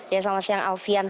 ya selamat siang alfian